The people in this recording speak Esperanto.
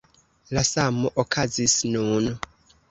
La samo okazis nun.